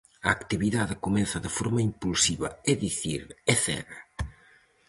A actividade comeza de forma impulsiva; é dicir, é cega.